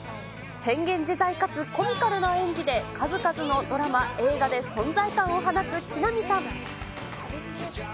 変幻自在かつコミカルな演技で数々のドラマ、映画で存在感を放つ木南さん。